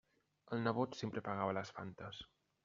El nebot sempre pagava les Fantes.